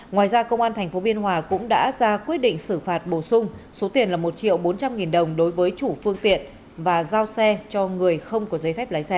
ngoài ra công an tp biên hòa cũng đã ra quyết định xử phạt bổ sung số tiền là một triệu bốn trăm linh nghìn đồng đối với chủ phương tiện và giao xe cho người không có giấy phép lái xe